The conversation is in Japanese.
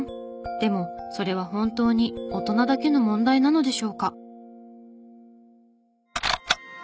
でもそれは本当に大人だけの問題なのでしょうか？